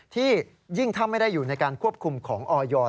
ยิ่งถ้าไม่ได้อยู่ในการควบคุมของออย